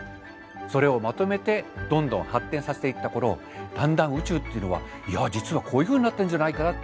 それをまとめてどんどん発展させていった頃だんだん宇宙っていうのはいや実はこういうふうになってるんじゃないかな。